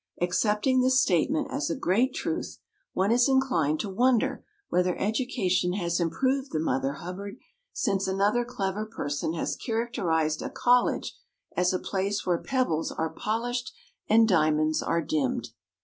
Accepting this statement as a great truth, one is inclined to wonder whether education has improved the Mother Hubbard, since another clever person has characterised a college as "a place where pebbles are polished and diamonds are dimmed!"